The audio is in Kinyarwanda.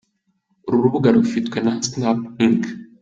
Uru rubuga rufitwe na Snap Inc.